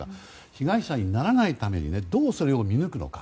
被害者にならないためにどう、それを見抜くのか。